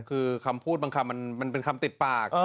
คือคำพูดมันเป็นคำติดปาก